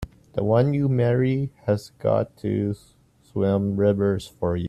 The one you marry has got to swim rivers for you!